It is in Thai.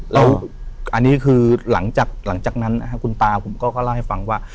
แล้วอันนี้คือหลังจากนั้นนะครับคุณตาผมก็เล่าให้ฟังว่า